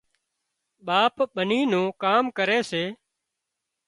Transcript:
ٻاپ ٻني نون ڪام ڪري سي